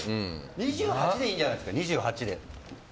２８でいいんじゃないですか？